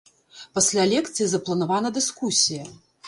Пасля лекцыі запланавана дыскусія.